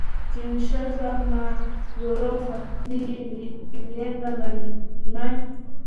Kinshasa ma gorofa mingi ilienda na mayi